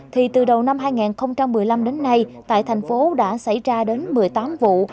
thì từ đầu năm hai nghìn một mươi năm đến nay tại thành phố đã xảy ra đến một mươi tám vụ